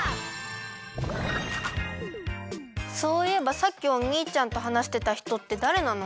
そういえばさっきおにいちゃんとはなしてたひとってだれなの？